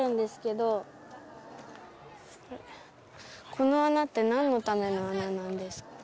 この穴ってなんのための穴なんですか？